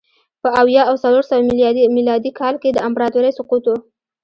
په اویا او څلور سوه میلادي کال کې د امپراتورۍ سقوط و